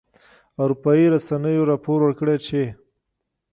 اروپایي رسنیو راپور ورکړی چې